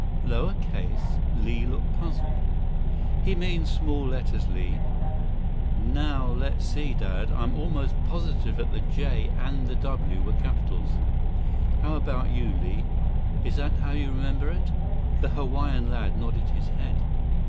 "Lower case?" Li looked puzzled. "He means small letters, Li. Now let's see, Dad. I'm almost positive that the J and the W were capitals. How about you, Li? Is that how you remember it?" The Hawaiian lad nodded his head.